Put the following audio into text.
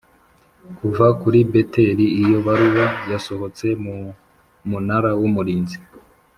kuva kuri Beteli Iyo baruwa yasohotse mu Munara w Umurinzi